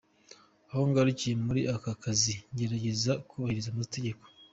Aho ngarukiye muri aka kazi ngerageza kubahiriza amategeko.